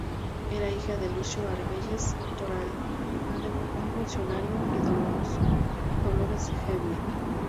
Era hija de Lucio Argüelles Toral, un funcionario, y de Dolores Hevia.